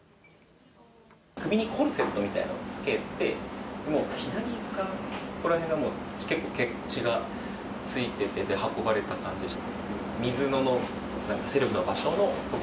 首にコルセットみたいなのを着けて、もう左側、ここら辺がもう、結構血がついてて、運ばれた感じでした。